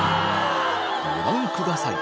ご覧ください